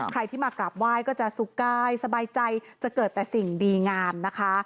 ใครที่มากราบไหว้ก็จะสุขกายสบายใจจะเกิดแต่สิ่งดีงามนะคะ